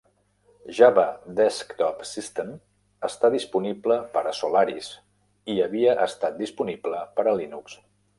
Java Desktop System està disponible per a Solaris i havia estat disponible per a Linux.